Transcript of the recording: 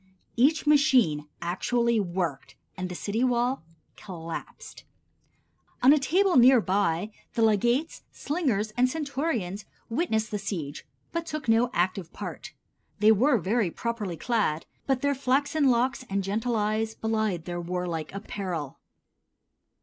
Each machine actually worked, and the city wall collapsed. On a table near by the legates, slingers and centurions witnessed the siege, but took no active part. They were very properly clad, but their flaxen locks and gentle eyes belied their warlike apparel.